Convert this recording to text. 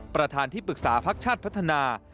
ประธานที่ปรึกษาพักชาติพัฒนา